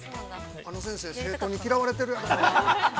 ◆あの先生、生徒に嫌われているやろな。